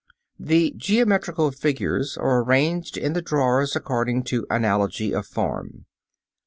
The geometrical figures are arranged in the drawers according to analogy of form.